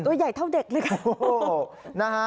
ตัวใหญ่เท่าเด็กเลยค่ะ